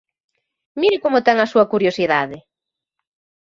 ¡Mire como ten a súa curiosidade!